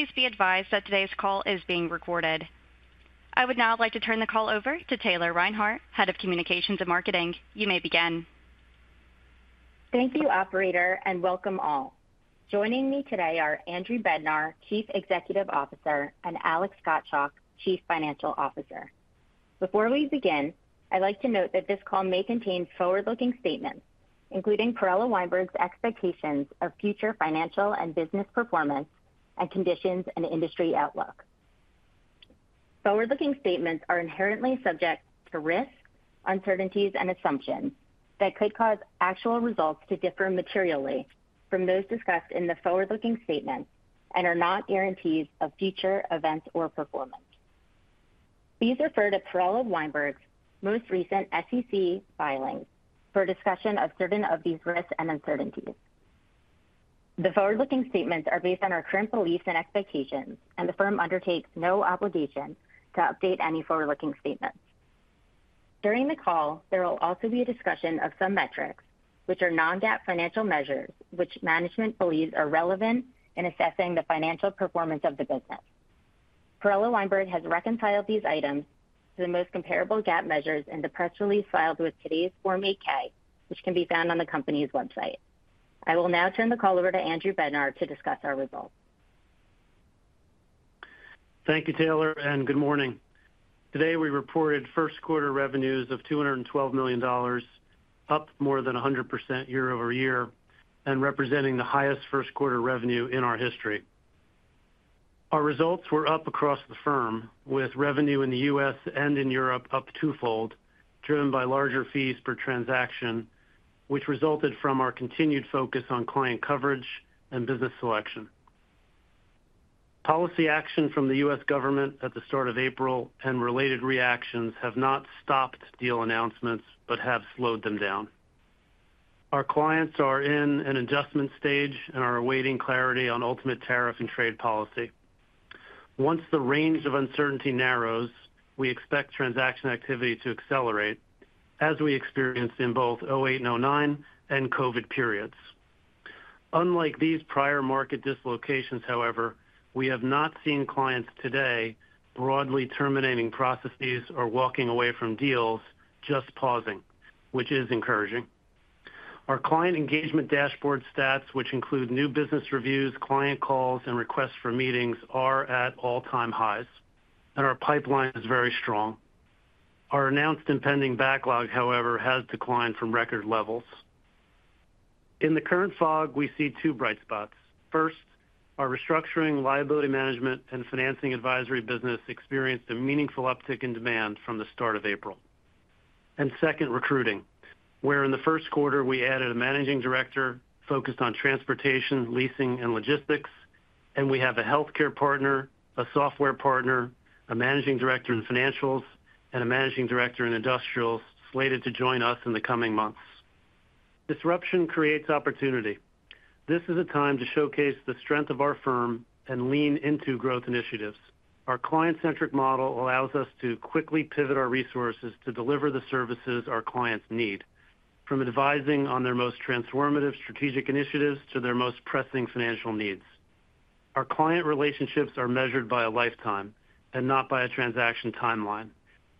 Please be advised that today's call is being recorded. I would now like to turn the call over to Taylor Reinhardt, Head of Communications and Marketing. You may begin. Thank you, Operator, and welcome all. Joining me today are Andrew Bednar, Chief Executive Officer, and Alex Gottschalk, Chief Financial Officer. Before we begin, I'd like to note that this call may contain forward-looking statements, including Perella Weinberg expectations of future financial and business performance and conditions and industry outlook. Forward-looking statements are inherently subject to risks, uncertainties, and assumptions that could cause actual results to differ materially from those discussed in the forward-looking statements and are not guarantees of future events or performance. Please refer to Perella Weinberg most recent SEC filings for discussion of certain of these risks and uncertainties. The forward-looking statements are based on our current beliefs and expectations, and the firm undertakes no obligation to update any forward-looking statements. During the call, there will also be a discussion of some metrics, which are non-GAAP financial measures, which management believes are relevant in assessing the financial performance of the business. Perella Weinberg has reconciled these items to the most comparable GAAP measures in the press release filed with today's Form 8-K, which can be found on the company's website. I will now turn the call over to Andrew Bednar to discuss our results. Thank you, Taylor, and good morning. Today we reported first quarter revenues of $212 million, up more than 100% year-over-year, and representing the highest first quarter revenue in our history. Our results were up across the firm, with revenue in the U.S. and in Europe up twofold, driven by larger fees per transaction, which resulted from our continued focus on client coverage and business selection. Policy action from the U.S. government at the start of April and related reactions have not stopped deal announcements but have slowed them down. Our clients are in an adjustment stage and are awaiting clarity on ultimate tariff and trade policy. Once the range of uncertainty narrows, we expect transaction activity to accelerate, as we experienced in both 2008 and 2009 and COVID periods. Unlike these prior market dislocations, however, we have not seen clients today broadly terminating processes or walking away from deals, just pausing, which is encouraging. Our client engagement dashboard stats, which include new business reviews, client calls, and requests for meetings, are at all-time highs, and our pipeline is very strong. Our announced and pending backlog, however, has declined from record levels. In the current fog, we see two bright spots. First, our restructuring, liability management, and financing advisory business experienced a meaningful uptick in demand from the start of April. Second, recruiting, where in the first quarter we added a Managing Director focused on transportation, leasing, and logistics, and we have a healthcare partner, a software partner, a Managing Director in financials, and a Managing Director in industrials slated to join us in the coming months. Disruption creates opportunity. This is a time to showcase the strength of our firm and lean into growth initiatives. Our client-centric model allows us to quickly pivot our resources to deliver the services our clients need, from advising on their most transformative strategic initiatives to their most pressing financial needs. Our client relationships are measured by a lifetime and not by a transaction timeline,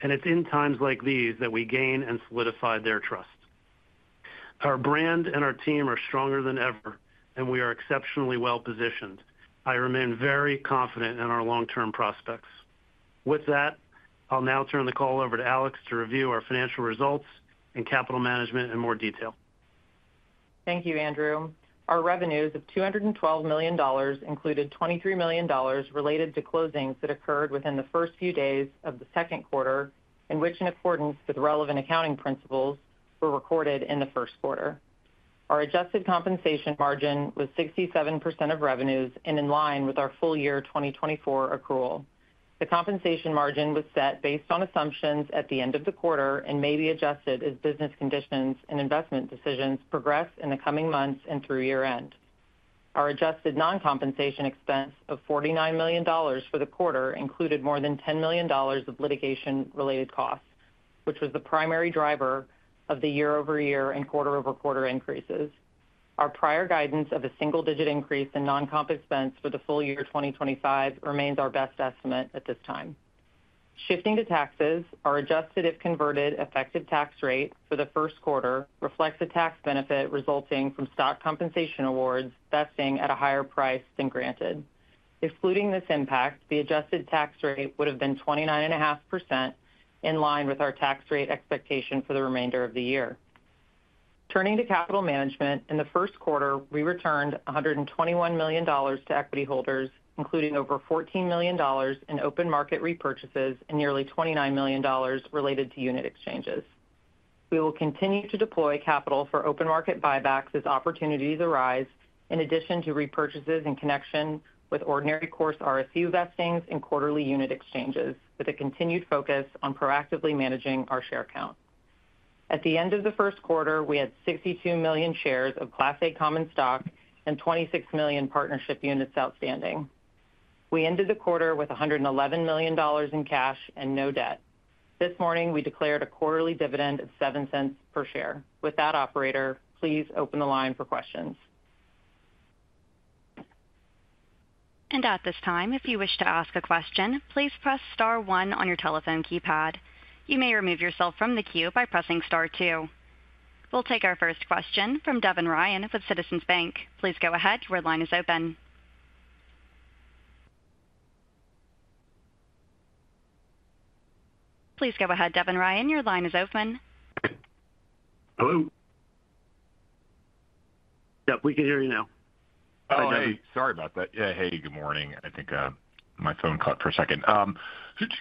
and it's in times like these that we gain and solidify their trust. Our brand and our team are stronger than ever, and we are exceptionally well positioned. I remain very confident in our long-term prospects. With that, I'll now turn the call over to Alex to review our financial results and capital management in more detail. Thank you, Andrew. Our revenues of $212 million included $23 million related to closings that occurred within the first few days of the second quarter, which, in accordance with relevant accounting principles, were recorded in the first quarter. Our adjusted compensation margin was 67% of revenues and in line with our full year 2024 accrual. The compensation margin was set based on assumptions at the end of the quarter and may be adjusted as business conditions and investment decisions progress in the coming months and through year-end. Our adjusted non-compensation expense of $49 million for the quarter included more than $10 million of litigation-related costs, which was the primary driver of the year-over-year and quarter-over-quarter increases. Our prior guidance of a single-digit increase in non-comp expense for the full year 2025 remains our best estimate at this time. Shifting to taxes, our adjusted if-converted effective tax rate for the first quarter reflects a tax benefit resulting from stock compensation awards vesting at a higher price than granted. Excluding this impact, the adjusted tax rate would have been 29.5% in line with our tax rate expectation for the remainder of the year. Turning to capital management, in the first quarter, we returned $121 million to equity holders, including over $14 million in open market repurchases and nearly $29 million related to unit exchanges. We will continue to deploy capital for open market buybacks as opportunities arise, in addition to repurchases in connection with ordinary course RSU vestings and quarterly unit exchanges, with a continued focus on proactively managing our share count. At the end of the first quarter, we had 62 million shares of Class A Common Stock and 26 million partnership units outstanding. We ended the quarter with $111 million in cash and no debt. This morning, we declared a quarterly dividend of $0.07 per share. With that, Operator, please open the line for questions. At this time, if you wish to ask a question, please press star one on your telephone keypad. You may remove yourself from the queue by pressing star two. We'll take our first question from Devin Ryan with Citizens Bank. Please go ahead. Your line is open. Please go ahead, Devin Ryan. Your line is open. Hello. Yeah, we can hear you now. Oh, hey. Sorry about that. Yeah, hey, good morning. I think my phone cut for a second.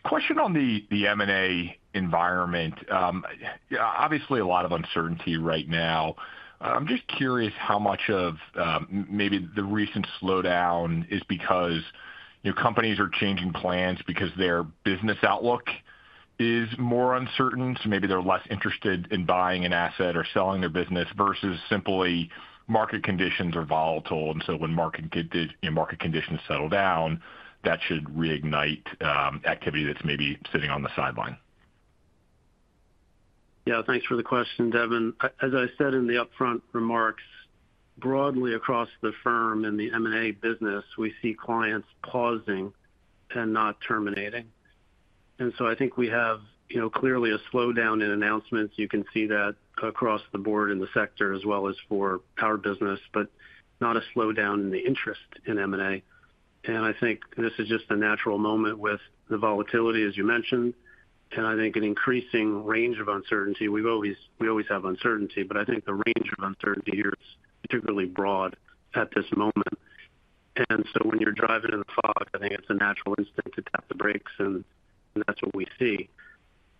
Question on the M&A environment. Obviously, a lot of uncertainty right now. I'm just curious how much of maybe the recent slowdown is because companies are changing plans because their business outlook is more uncertain, so maybe they're less interested in buying an asset or selling their business versus simply market conditions are volatile. When market conditions settle down, that should reignite activity that's maybe sitting on the sideline. Yeah, thanks for the question, Devin. As I said in the upfront remarks, broadly across the firm and the M&A business, we see clients pausing and not terminating. I think we have clearly a slowdown in announcements. You can see that across the board in the sector as well as for our business, but not a slowdown in the interest in M&A. I think this is just a natural moment with the volatility, as you mentioned, and I think an increasing range of uncertainty. We always have uncertainty, but I think the range of uncertainty here is particularly broad at this moment. When you're driving in the fog, I think it's a natural instinct to tap the brakes, and that's what we see.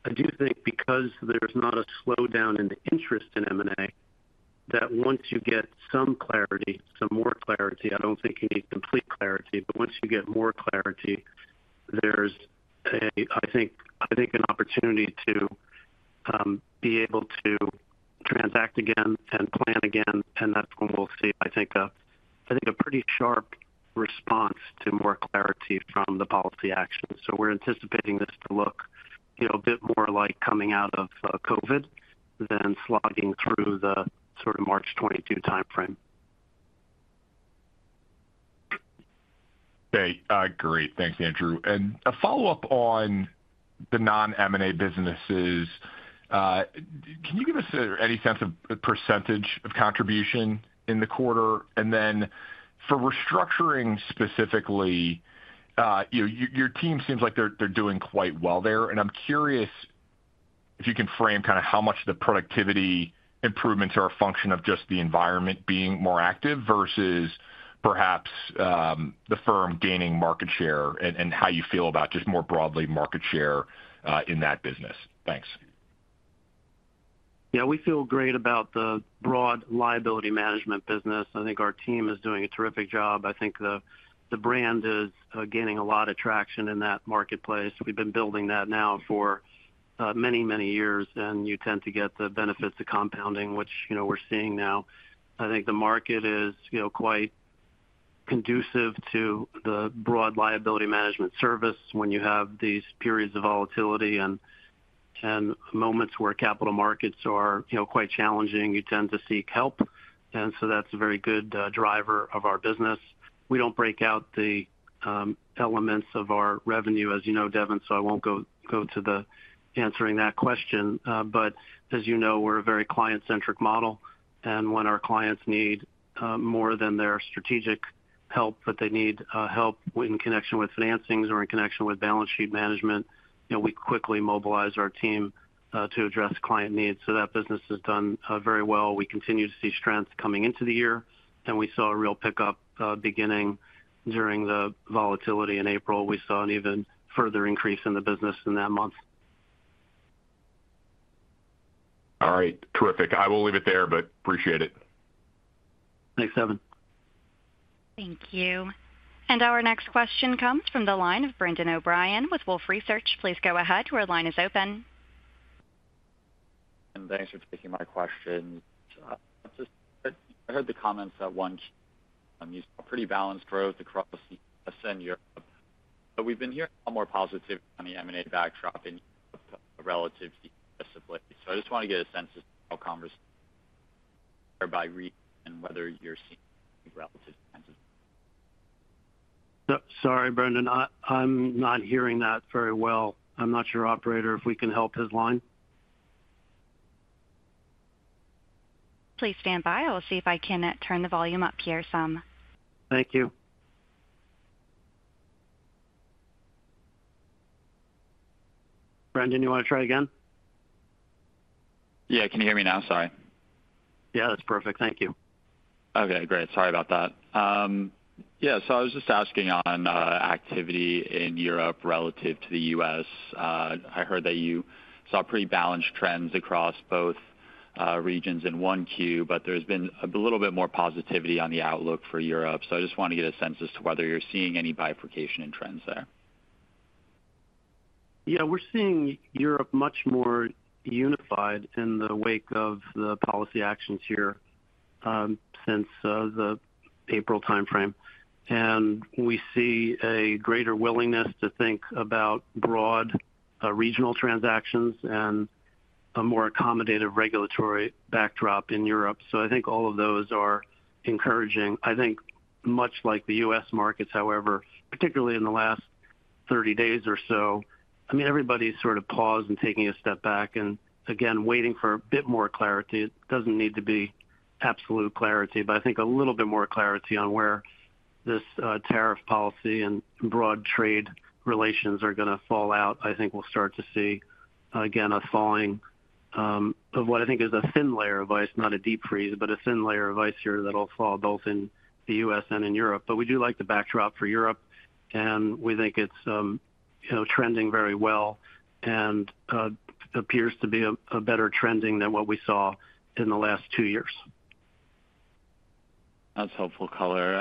I do think because there's not a slowdown in the interest in M&A, that once you get some clarity, some more clarity, I don't think you need complete clarity, but once you get more clarity, there's, I think, an opportunity to be able to transact again and plan again, and that's when we'll see, I think, a pretty sharp response to more clarity from the policy action. We are anticipating this to look a bit more like coming out of COVID than slogging through the sort of March 2022 timeframe. Okay. Great. Thanks, Andrew. A follow-up on the non-M&A businesses. Can you give us any sense of percentage of contribution in the quarter? For restructuring specifically, your team seems like they're doing quite well there. I'm curious if you can frame kind of how much the productivity improvements are a function of just the environment being more active versus perhaps the firm gaining market share and how you feel about just more broadly market share in that business. Thanks. Yeah, we feel great about the broad liability management business. I think our team is doing a terrific job. I think the brand is gaining a lot of traction in that marketplace. We've been building that now for many, many years, and you tend to get the benefits of compounding, which we're seeing now. I think the market is quite conducive to the broad liability management service when you have these periods of volatility and moments where capital markets are quite challenging. You tend to seek help, and so that's a very good driver of our business. We don't break out the elements of our revenue, as you know, Devin, so I won't go to the answering that question. As you know, we're a very client-centric model, and when our clients need more than their strategic help, but they need help in connection with financings or in connection with balance sheet management, we quickly mobilize our team to address client needs. That business has done very well. We continue to see strength coming into the year, and we saw a real pickup beginning during the volatility in April. We saw an even further increase in the business in that month. All right. Terrific. I will leave it there, but appreciate it. Thanks, Devin. Thank you. Our next question comes from the line of Brendan O'Brien with Wolfe Research. Please go ahead. The line is open. Thanks for taking my question. I heard the comments that once you saw pretty balanced growth across the U.S. and Europe, but we've been hearing a lot more positive on the M&A backdrop in Europe relative to the U.S. of late. I just want to get a sense of how conversations are going there by region and whether you're seeing any relative signs of. Sorry, Brendan. I'm not hearing that very well. I'm not sure, Operator, if we can help his line. Please stand by. I'll see if I can turn the volume up here some. Thank you. Brendan, you want to try again? Yeah. Can you hear me now? Sorry. Yeah, that's perfect. Thank you. Okay. Great. Sorry about that. Yeah, so I was just asking on activity in Europe relative to the U.S. I heard that you saw pretty balanced trends across both regions in Q1, but there's been a little bit more positivity on the outlook for Europe. I just want to get a sense as to whether you're seeing any bifurcation in trends there. Yeah, we're seeing Europe much more unified in the wake of the policy actions here since the April timeframe. We see a greater willingness to think about broad regional transactions and a more accommodative regulatory backdrop in Europe. I think all of those are encouraging. I think, much like the U.S. markets, however, particularly in the last 30 days or so, I mean, everybody's sort of paused and taking a step back and, again, waiting for a bit more clarity. It doesn't need to be absolute clarity, but I think a little bit more clarity on where this tariff policy and broad trade relations are going to fall out. I think we'll start to see, again, a thawing of what I think is a thin layer of ice, not a deep freeze, but a thin layer of ice here that'll thaw both in the U.S. and in Europe. We do like the backdrop for Europe, and we think it's trending very well and appears to be a better trending than what we saw in the last two years. That's helpful, color.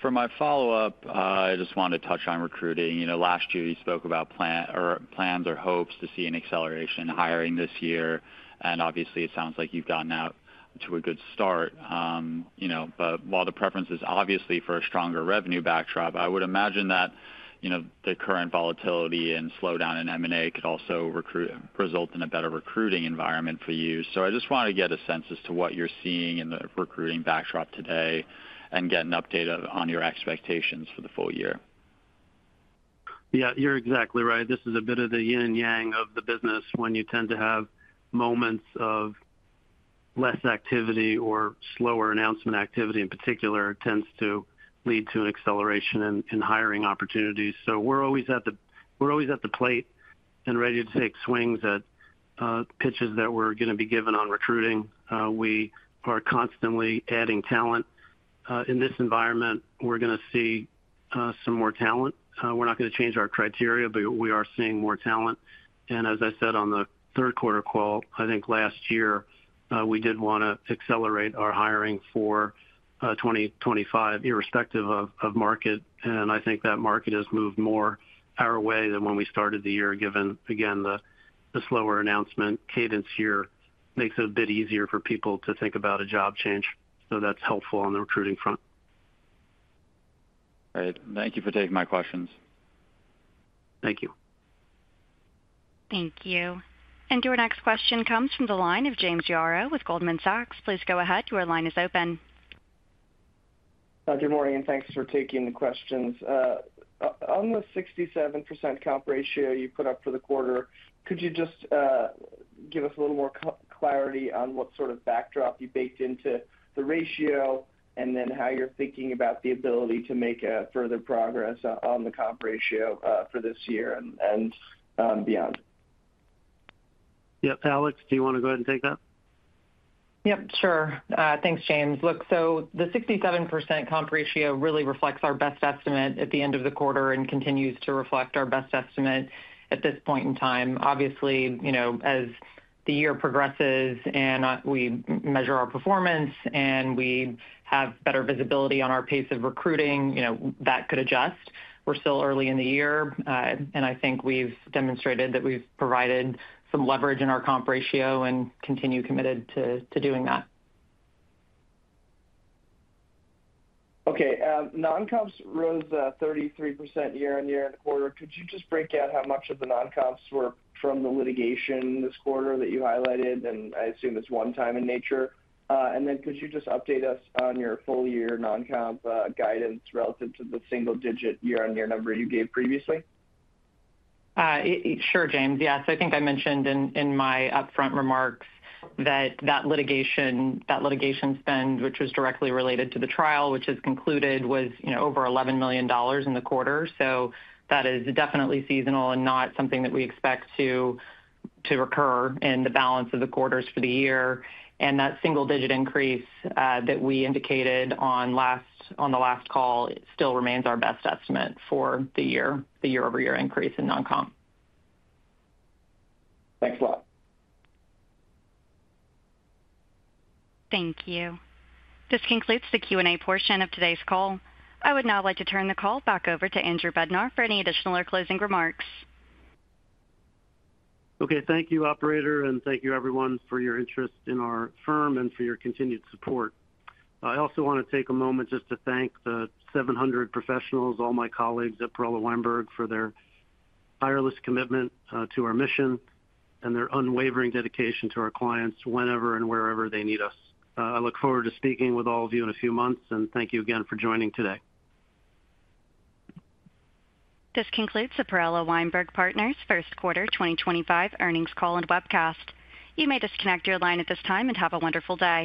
For my follow-up, I just want to touch on recruiting. Last year, you spoke about plans or hopes to see an acceleration in hiring this year. Obviously, it sounds like you've gotten out to a good start. While the preference is obviously for a stronger revenue backdrop, I would imagine that the current volatility and slowdown in M&A could also result in a better recruiting environment for you. I just want to get a sense as to what you're seeing in the recruiting backdrop today and get an update on your expectations for the full year. Yeah, you're exactly right. This is a bit of the Yin and Yang of the business when you tend to have moments of less activity or slower announcement activity in particular tends to lead to an acceleration in hiring opportunities. We are always at the plate and ready to take swings at pitches that we're going to be given on recruiting. We are constantly adding talent. In this environment, we're going to see some more talent. We're not going to change our criteria, but we are seeing more talent. As I said on the third quarter call, I think last year, we did want to accelerate our hiring for 2025 irrespective of market. I think that market has moved more our way than when we started the year, given, again, the slower announcement cadence here makes it a bit easier for people to think about a job change. That's helpful on the recruiting front. Great. Thank you for taking my questions. Thank you. Thank you. Your next question comes from the line of James Yaro with Goldman Sachs. Please go ahead. Your line is open. Good morning. Thanks for taking the questions. On the 67% comp ratio you put up for the quarter, could you just give us a little more clarity on what sort of backdrop you baked into the ratio and then how you're thinking about the ability to make further progress on the comp ratio for this year and beyond? Yep. Alex, do you want to go ahead and take that? Yep. Sure. Thanks, James. Look, the 67% comp ratio really reflects our best estimate at the end of the quarter and continues to reflect our best estimate at this point in time. Obviously, as the year progresses and we measure our performance and we have better visibility on our pace of recruiting, that could adjust. We're still early in the year, and I think we've demonstrated that we've provided some leverage in our comp ratio and continue committed to doing that. Okay. Non-comps rose 33% year-on-year in the quarter. Could you just break out how much of the non-comps were from the litigation this quarter that you highlighted? I assume it's one-time in nature. Could you just update us on your full-year non-comp guidance relative to the single-digit year-on-year number you gave previously? Sure, James. Yes. I think I mentioned in my upfront remarks that that litigation spend, which was directly related to the trial, which has concluded, was over $11 million in the quarter. That is definitely seasonal and not something that we expect to recur in the balance of the quarters for the year. That single-digit increase that we indicated on the last call still remains our best estimate for the year, the year-over-year increase in non-comp. Thanks a lot. Thank you. This concludes the Q&A portion of today's call. I would now like to turn the call back over to Andrew Bednar for any additional or closing remarks. Okay. Thank you, Operator, and thank you, everyone, for your interest in our firm and for your continued support. I also want to take a moment just to thank the 700 professionals, all my colleagues at Perella Weinberg for their tireless commitment to our mission and their unwavering dedication to our clients whenever and wherever they need us. I look forward to speaking with all of you in a few months, and thank you again for joining today. This concludes the Perella Weinberg Partners First Quarter 2025 Earnings Call and Webcast. You may disconnect your line at this time and have a wonderful day.